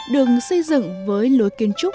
được xây dựng với lối kiến trúc